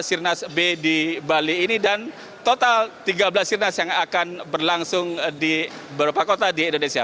sirnas b di bali ini dan total tiga belas sirnas yang akan berlangsung di beberapa kota di indonesia